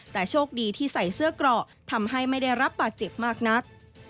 แต่โชคดีที่ใส่เสื้อเกราะทำให้ไม่ได้รับบาดเจ็บมากนัก